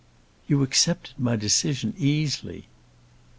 "You accepted my decision easily."